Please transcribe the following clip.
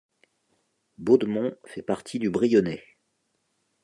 Baudemont fait partie du Brionnais.